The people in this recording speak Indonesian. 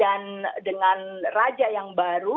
dan dengan raja yang baru